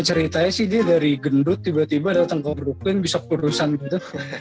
ceritanya sih dia dari gendut tiba tiba datang ke brukin bisa kurusan gitu